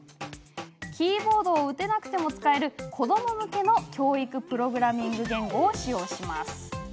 キーボードを打てなくても使える子ども向けの教育プログラミング言語を使用します。